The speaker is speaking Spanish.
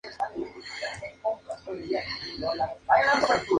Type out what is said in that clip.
En la prensa destacan que los nacionales "venden más que Sandro".